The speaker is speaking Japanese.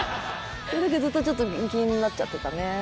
これだけずっとちょっと気になっちゃってたね。